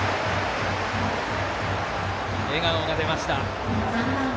笑顔が出ました。